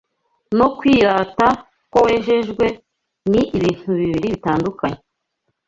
no kwirata ko wejejwe, ni ibintu bibiri bitandukanye